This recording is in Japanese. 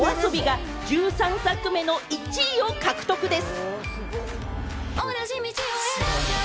ＹＯＡＳＯＢＩが１３作目の１位を獲得です。